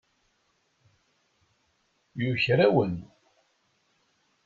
Yuker-awen.